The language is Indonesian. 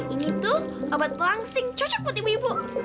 ini tuh obat pelangsing cocok buat ibu ibu